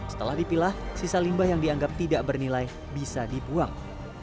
setelah dipilah sisa limbah yang dianggap tidak bernilai bisa dibuang